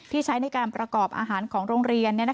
ใช้ในการประกอบอาหารของโรงเรียน